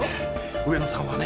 上野さんはね